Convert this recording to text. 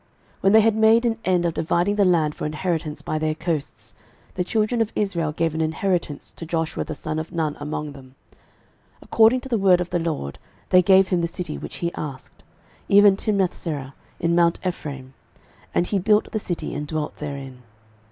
06:019:049 When they had made an end of dividing the land for inheritance by their coasts, the children of Israel gave an inheritance to Joshua the son of Nun among them: 06:019:050 According to the word of the LORD they gave him the city which he asked, even Timnathserah in mount Ephraim: and he built the city, and dwelt therein.